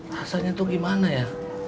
rasanya tuh gimana ya